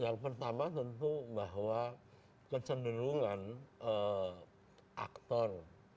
yang pertama tentu bahwa kecenderungan aktor